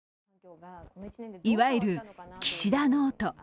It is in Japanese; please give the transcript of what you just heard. いわゆる岸田ノート。